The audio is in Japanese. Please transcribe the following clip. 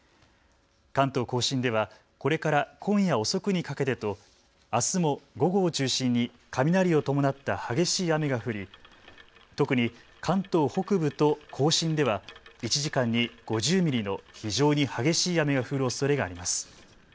関東甲信ではこれから今夜遅くにかけてと、あすも午後を中心に雷を伴った激しい雨が降り特に関東北部と甲信では１時間に５０ミリの非常に激しい雨が降るおそれがあります。